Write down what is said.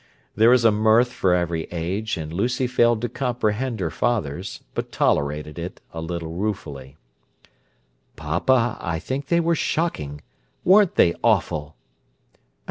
There is a mirth for every age, and Lucy failed to comprehend her father's, but tolerated it a little ruefully. "Papa, I think they were shocking. Weren't they _awful!